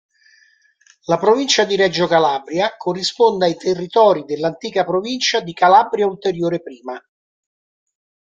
La provincia di Reggio Calabria corrisponde ai territori dell'antica provincia di Calabria Ulteriore Prima.